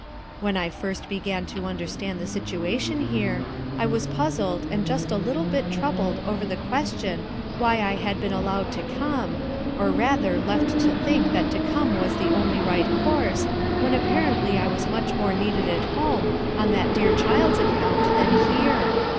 When I first began to understand the situation here, I was puzzled, and just a little bit troubled over the question why I had been allowed to come, or rather left to think that to come was the only right course, when apparently I was much more needed at home on that dear child's account, than here.